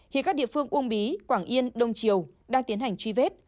hiện các địa phương uông bí quảng yên đông triều đang tiến hành truy vết